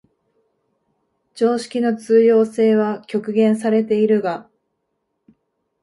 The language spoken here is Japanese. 常識の通用性は局限されているが、